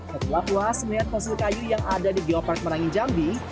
setelah puas melihat fosil kayu yang ada di geopark merangin jambi